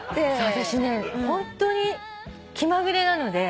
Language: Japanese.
私ねホントに気まぐれなので。